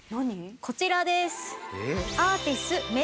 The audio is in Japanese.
こちらです！